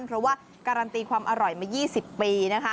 เพราะว่าการันตีความอร่อยมา๒๐ปีนะคะ